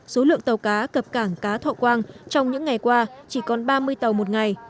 số lượng tàu cá cập cảng cá thọ quang trong những ngày qua chỉ còn ba mươi tàu một ngày